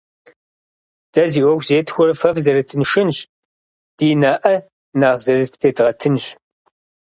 Дэ зи Ӏуэху зетхуэр фэ фызэрытыншынщ, ди нэӀэ нэхъ зэрыфтедгъэтынщ.